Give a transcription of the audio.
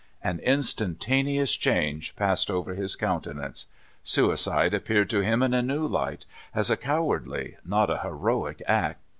An instantaneous change passed over his countenance. Suicide appeared to him in a new Hght — as a cowardly, not a heroic act.